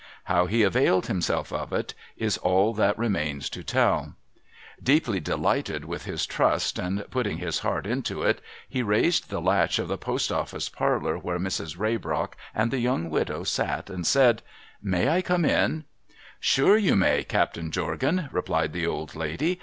How he availed himself of it is all that remains to tell. Deeply delighted with his trust, and putting his heart into it, he raised the latch of the post office parlour where Mrs, Raybrock and the young widow sat, and said, —' May I come in ?'' Sure you may. Captain Jorgan !' replied the old lady.